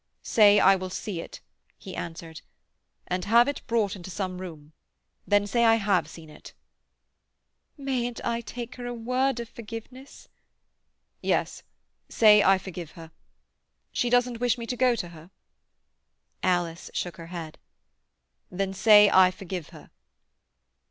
"Say I will see it," he answered, "and have it brought into some room—then say I have seen it." "Mayn't I take her a word of forgiveness?" "Yes, say I forgive her. She doesn't wish me to go to her?" Alice shook her head. "Then say I forgive her."